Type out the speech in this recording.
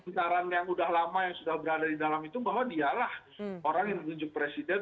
lingkaran yang sudah lama yang sudah berada di dalam itu bahwa dialah orang yang menunjuk presiden